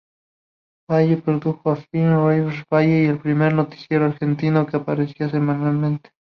Valle produjo el "Film Revista Valle", el primer noticiero argentino que aparecía semanalmente.